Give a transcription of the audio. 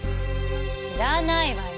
知らないわよ。